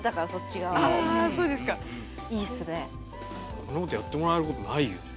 こんなことやってもらえることないよ。